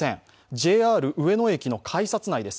ＪＲ上野駅の改札内です。